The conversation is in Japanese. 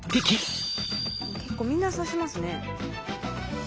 結構みんな刺しますね。